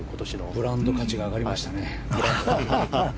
ブランド価値が上がりましたね。